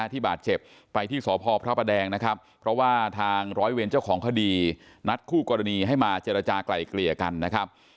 ที่บาดเจ็บไปที่สพพระประแดงนะครับเพราะว่าทางร้อยเวรเจ้าของคดีนัดคู่กรณีให้มาเจรจากลายเกลี่ยกันนะครับ